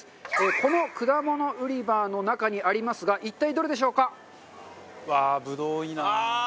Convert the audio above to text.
この果物売り場の中にありますが一体、どれでしょうか？